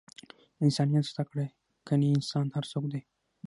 انسانیت زده کړئ! کنې انسان هر څوک دئ!